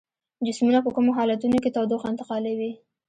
جسمونه په کومو حالتونو کې تودوخه انتقالوي؟